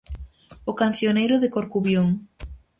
O cancioneiro de Corcubión.